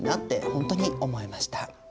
本当に思いました。